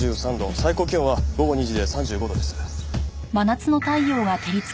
最高気温は午後２時で３５度です。